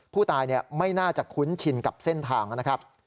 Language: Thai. ผู้ตายไม่น่าจะคุ้นชินกับเส้นทางนะครับ